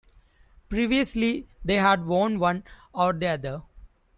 Previously they had worn one or the other.